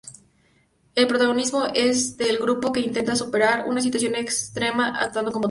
El protagonismo es del grupo, que intenta superar una situación extrema actuando como tal.